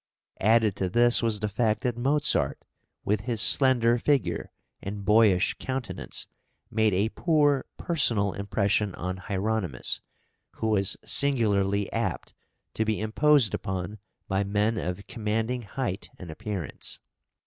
Added to this was the fact that Mozart, with his slender figure and boyish countenance, made a poor personal impression on Hieronymus, who was singularly apt to be imposed upon by men of commanding height and appearance.